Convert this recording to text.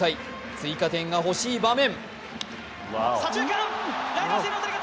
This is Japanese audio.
追加点が欲しい場面。